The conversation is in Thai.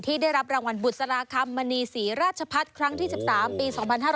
ได้รับรางวัลบุษราคำมณีศรีราชพัฒน์ครั้งที่๑๓ปี๒๕๕๙